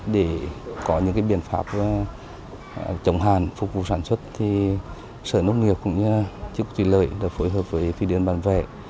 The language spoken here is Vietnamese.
để có những biện pháp chống hàn phục vụ sản xuất sở nông nghiệp cũng như chức truy lợi phối hợp với phi điện bàn vệ